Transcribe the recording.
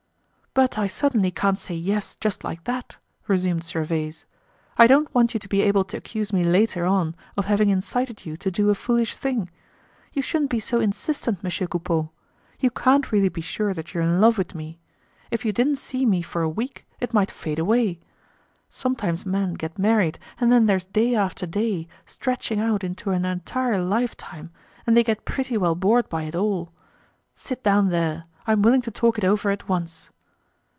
"But I certainly can't say 'yes' just like that," resumed Gervaise. "I don't want you to be able to accuse me later on of having incited you to do a foolish thing. You shouldn't be so insistent, Monsieur Coupeau. You can't really be sure that you're in love with me. If you didn't see me for a week, it might fade away. Sometimes men get married and then there's day after day, stretching out into an entire lifetime, and they get pretty well bored by it all. Sit down there; I'm willing to talk it over at once."